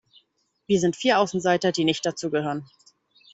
Wir sind vier Außenseiter, die nicht dazu gehören